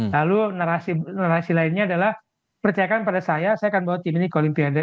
lalu narasi lainnya adalah percayakan pada saya saya akan bawa tim ini ke olimpiade